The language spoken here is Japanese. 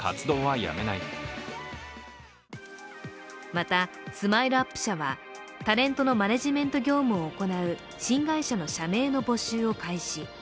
またＳＭＩＬＥ−ＵＰ．社はタレントのマネジメント業務を行う新会社の社名の募集を開始。